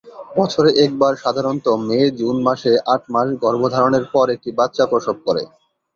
বছরে একবার সাধারনত মে-জুন মাসে আট মাস গর্ভধারণের পর একটি বাচ্চা প্রসব করে।